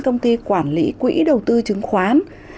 công ty quản lý quỹ đầu tư chứng khoán